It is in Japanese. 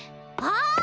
ああ！